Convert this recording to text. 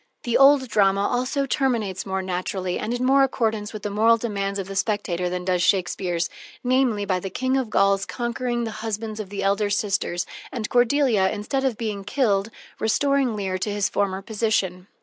The old drama also terminates more naturally and more in accordance with the moral demands of the spectator than does Shakespeare's, namely, by the King of the Gauls conquering the husbands of the elder sisters, and Cordelia, instead of being killed, restoring Leir to his former position.